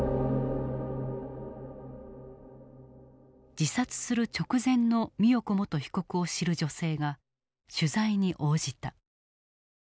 自殺する直前の美代子元被告を知る女性が取材に応じた。